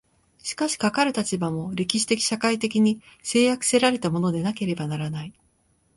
しかしかかる立場も、歴史的社会的に制約せられたものでなければならない。